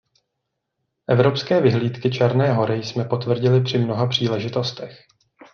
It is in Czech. Evropské vyhlídky Černé Hory jsme potvrdili při mnoha příležitostech.